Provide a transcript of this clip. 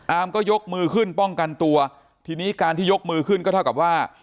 ก็ยกมือขึ้นป้องกันตัวทีนี้การที่ยกมือขึ้นก็เท่ากับว่า